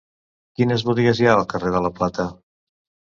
Quines botigues hi ha al carrer de la Plata?